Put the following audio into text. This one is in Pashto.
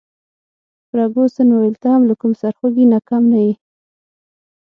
فرګوسن وویل: ته هم له کوم سرخوږي نه کم نه يې.